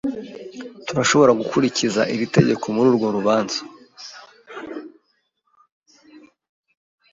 Turashobora gukurikiza iri tegeko mururwo rubanza.